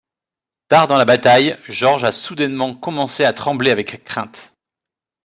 Tard dans la bataille, George a soudainement commencé à trembler avec crainte.